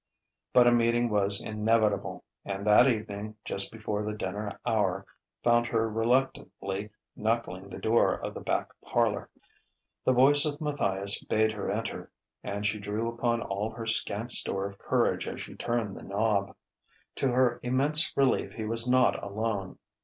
But a meeting was inevitable; and that evening, just before the dinner hour, found her reluctantly knuckling the door of the back parlour. The voice of Matthias bade her enter, and she drew upon all her scant store of courage as she turned the knob. To her immense relief he was not alone.